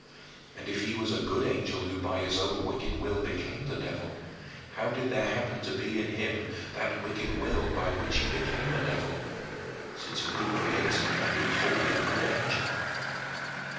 And if he was a good angel who by his own wicked will became the devil, how did there happen to be in him that wicked will by which he became a devil, since a good Creator made him wholly a good angel?